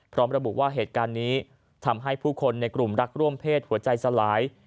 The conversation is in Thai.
พร้อมระบุว่าเหตุการณ์นี้ทำให้ผู้คนในกลุ่มรักร่วมเพศหัวใจสลาย